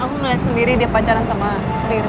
aku lihat sendiri dia pacaran sama riri